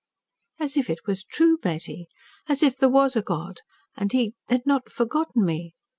"As if it was true, Betty! As if there was a God and He had not forgotten me.